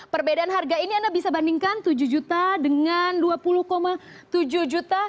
perbedaan harga ini anda bisa bandingkan tujuh juta dengan dua puluh tujuh juta